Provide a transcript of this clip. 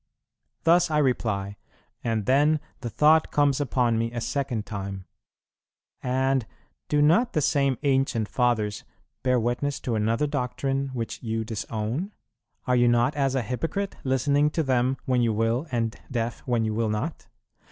Thus I reply, and then the thought comes upon me a second time, "And do not the same ancient Fathers bear witness to another doctrine, which you disown? Are you not as a hypocrite, listening to them when you will, and deaf when you will not?